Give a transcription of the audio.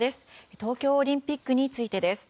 東京オリンピックについてです。